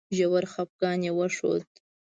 ژور خپګان یې وښود.